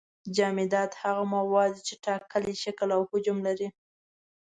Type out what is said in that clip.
جامدات هغه مواد دي چې ټاکلی شکل او حجم لري.